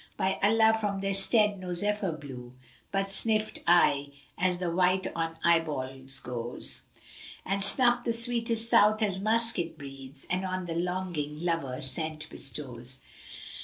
By Allah from their stead no Zephyr blew * But sniffed I as the wight on eyeballs goes;[FN#355] And snuff the sweetest South as musk it breathes * And on the longing lover scent bestows."